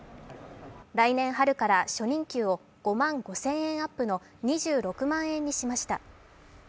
来年春から初任給を５万５０００円アップの２６万円にしました。